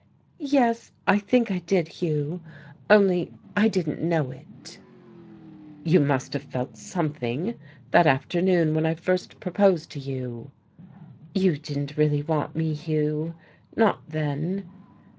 "Yes, I think I did, Hugh. Only I didn't know it." "You must have felt something, that afternoon when I first proposed to you!" "You didn't really want me, Hugh. Not then."